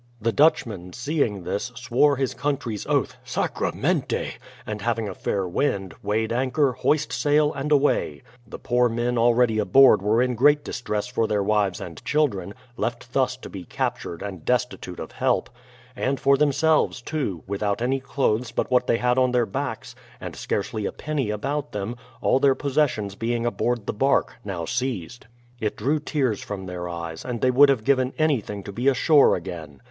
The Dutchman, seeing this, swore his country's oath, "sacramente," and having a fair wind, weighed an chor, hoist sail, and away ! The poor men already aboard were in great distress for their wives and children, left thus to be captured, and destitute of help, — and for them selves, too, without any clothes but what they had on their backs, and scarcely a penny about them, all their posses sions being aboard the bark, now seized. It drew tears from their eyes, and they would have given anything to be ashore again.